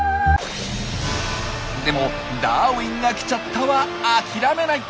でも「ダーウィンが来ちゃった！」は諦めない！